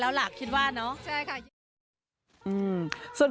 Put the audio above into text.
ครูปุ้มสัตว์สินค้า